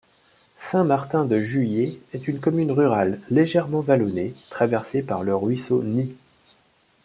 Saint-Martin-de-Juillers est une commune rurale, légèrement vallonnée, traversée par le ruisseau Nie.